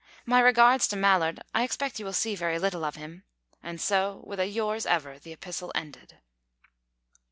My regards to Mallard; I expect you will see very little of him." And so, with a "yours ever," the epistle ended.